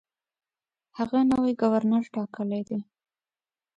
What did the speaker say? هغه نوی ګورنر ټاکلی دی.